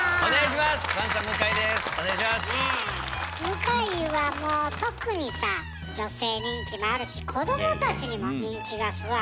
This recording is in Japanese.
向井はもう特にさ女性人気もあるし子どもたちにも人気がすごいあるみたいね。